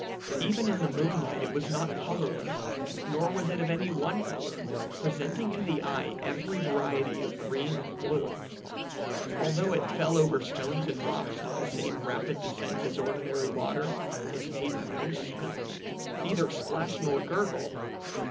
Even in the moonlight it was not colourless, nor was it of any one colour, presenting to the eye every variety of green and blue. Although it fell over stones and rocks with the same rapid descent as ordinary water, it made no sound, neither splash nor gurgle.